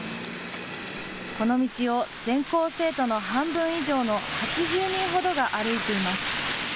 この道を全校生徒の半分以上の８０人ほどが歩いています。